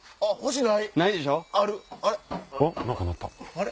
あれ？